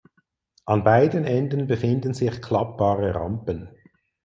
An beiden Enden befinden sich klappbare Rampen.